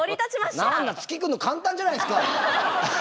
何だ月行くの簡単じゃないですか。